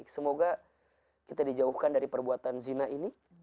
semoga kita dijauhkan dari perbuatan zina ini